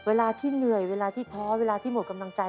เวลาที่เหนื่อยเวลาที่ท้อเวลาที่หมดกำลังใจ